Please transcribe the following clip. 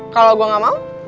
kalau gue gak mau